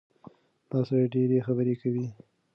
دا سړی ډېرې خبرې کوي.